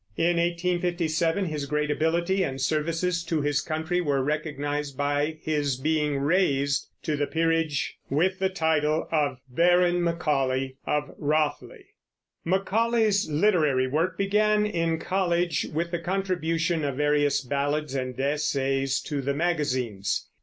In 1857 his great ability and services to his country were recognized by his being raised to the peerage with the title of Baron Macaulay of Rothley. Macaulay's literary work began in college with the contribution of various ballads and essays to the magazines.